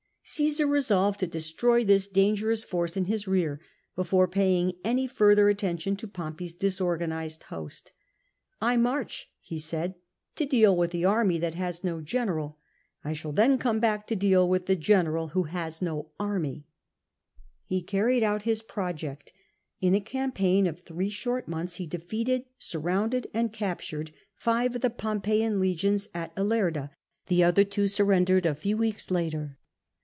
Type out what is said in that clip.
Cmsar resolved to destroy this dangerous force in his rear, before paying any further attention to Pompey's disorganised host. I march,*' ho said, to deal with the army that has no general ; I shall then come back to deal with the general who has no army/^ He carried out his project ; in a campaign of three short months he defeated, surrounded, and captured five of the Pompeian legions at Tlerda: the other two surrendered a few weeks later.